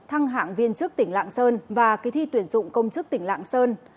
thăng hạng viên chức tỉnh lạng sơn và kỳ thi tuyển dụng công chức tỉnh lạng sơn